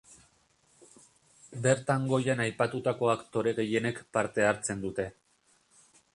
Bertan goian aipatutako aktore gehienek parte hartzen dute.